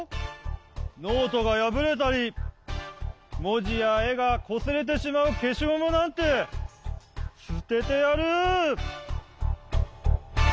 ノートがやぶれたりもじやえがこすれてしまうけしゴムなんてすててやる！